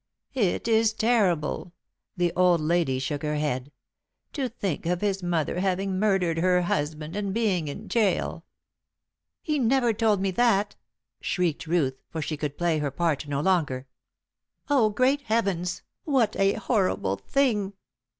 "It is terrible." The old lady shook her head. "To think of his mother having murdered her husband and being in gaol." "He never told me that!" shrieked Ruth, for she could play her part no longer. "Oh, great Heavens, what a horrible thing!